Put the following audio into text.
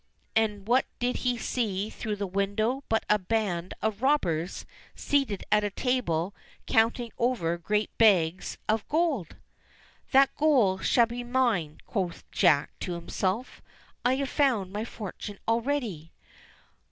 And what did he see through the window but a band of robbers seated at a table counting over great bags of gold ! "That gold shall be mine," quoth Jack to himself. "I have found my fortune already."